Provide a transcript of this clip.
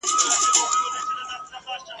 د کېږدۍ تر ماښامونو د ګودر ترانې وړمه ..